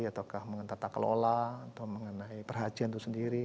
ataukah mengenai tata kelola atau mengenai perhajian itu sendiri